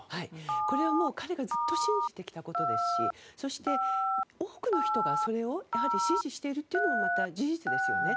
これはもう彼がずっと信じてきたことですしそして、多くの人がそれを支持しているというのもまた事実ですよね。